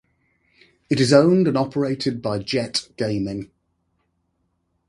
It is owned and operated by Jett Gaming.